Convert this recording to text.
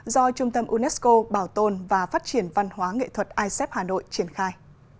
do trung tâm unesco bảo tồn và phát triển văn hóa nghệ thuật isep hà nội triển khai